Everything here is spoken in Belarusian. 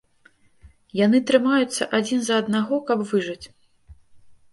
Яны трымаюцца адзін за аднаго, каб выжыць.